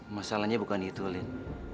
masalahnya bukan itu lin